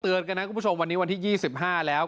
กันนะคุณผู้ชมวันนี้วันที่๒๕แล้ว